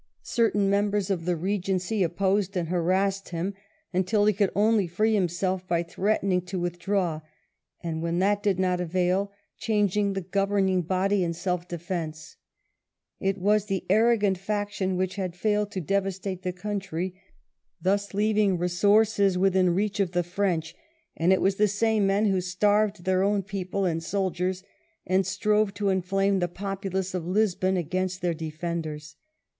Certain 142 WELLINGTON chaf. mem\jeT% of the 'Be^eacy opposed and haiasBed him Utttll tie eould onlf free himself hy Uuesdemng to with draw; tuid^ when ihaX didnot aTail, changing the govem ing borlf in «elf defence* It was the arrogant faction which had failed to derastato tiie comitiy, tiins leaving resourcai within reach of the French, and it was the same men who starved their own people and soldiers and strove to inflame the populace of Lisbon against their defenders.